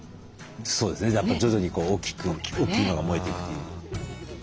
そうですね徐々に大きく大きいのが燃えていくという。